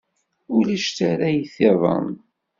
Ulac tarrayt-iḍen?